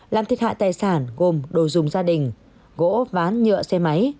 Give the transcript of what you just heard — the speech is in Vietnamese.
làm thiệt hại tài sản gồm đồ dùng gia đình gỗ ván nhựa xe máy